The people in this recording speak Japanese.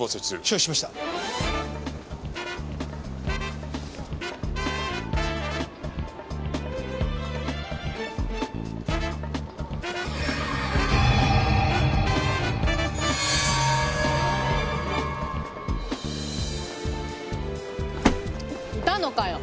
いたのかよ！